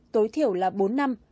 tối thiểu là bốn năm